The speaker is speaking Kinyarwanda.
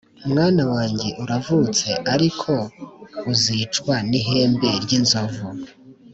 Mwana wanjye uravutse, ariko uzicwa n'ihembe ry' inzovu